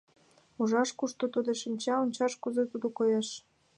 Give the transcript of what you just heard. Ужаш, кушто тудо шинча; ончаш, кузе тудо коеш.